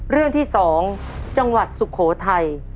เรื่องที่๒จังหวัดสุโขทัย